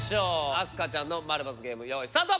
明日香ちゃんの○×ゲームよいスタート！